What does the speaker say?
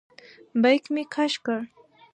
بیک مې کش کړ.